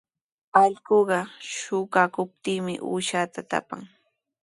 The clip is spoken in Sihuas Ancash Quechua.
Allquqa suqakuqpitami uushata taapan.